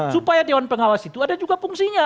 supaya dewan pengawas itu ada juga fungsinya